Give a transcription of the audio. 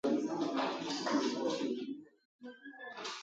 Kabati lake limejaa vitabu